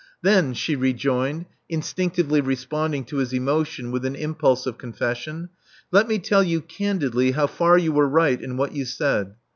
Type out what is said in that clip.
Then," she rejoined, instinctively responding to his emotion with an impulse of confession, let me tell you candidly how far you were right in what you said.